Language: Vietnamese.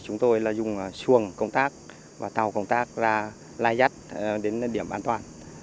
chúng tôi dùng xuồng công tác và tàu công tác ra lai dắt đến điểm an toàn